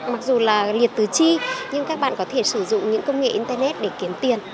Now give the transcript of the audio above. mặc dù là liệt tứ chi nhưng các bạn có thể sử dụng những công nghệ internet để kiếm tiền